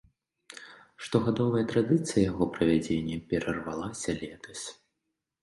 Штогадовая традыцыя яго правядзення перарвалася летась.